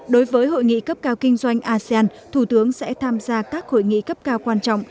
đối với hội nghị cấp cao kinh doanh asean thủ tướng sẽ tham gia các hội nghị cấp cao quan trọng